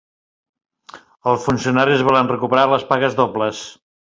Els funcionaris volen recuperar les pagues dobles